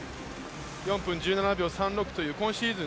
４分１７秒３６という今シーズン